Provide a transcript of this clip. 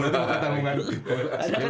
waduh itu katanya ngadu